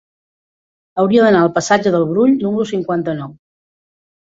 Hauria d'anar al passatge del Brull número cinquanta-nou.